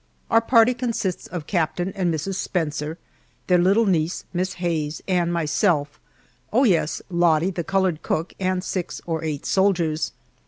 Our party consists of Captain and Mrs. Spencer, their little niece, Miss Hayes, and myself oh, yes, Lottie, the colored cook, and six or eight soldiers.